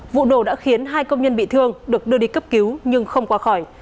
vụ nổ đã khiến hai công nhân bị thương được đưa đi cấp cứu nhưng không qua khỏi